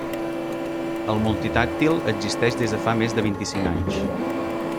El multitàctil existeix des de fa més de vint-i-cinc anys.